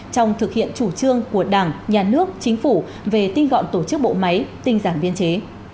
trong thực hiện chủ trương của đảng nhà nước chính phủ về tinh gọn tổ chức bộ máy tinh giản biên chế